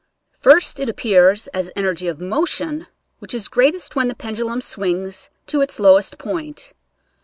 First it appears as energy of motion, which is greatest when the pendulum swings to its lowest point.